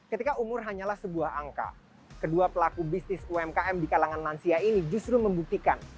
ketika umur hanyalah sebuah angka kedua pelaku bisnis umkm di kalangan lansia ini justru membuktikan